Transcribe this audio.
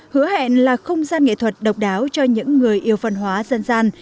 hứa hẹn là không gian nghệ thuật độc đáo cho những người yêu văn hóa dân gian